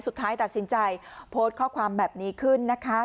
สุดท้ายตัดสินใจโพสต์ข้อความแบบนี้ขึ้นนะคะ